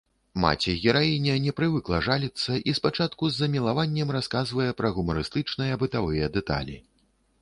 Маці-гераіня не прывыкла жаліцца і спачатку з замілаваннем расказвае пра гумарыстычныя бытавыя дэталі.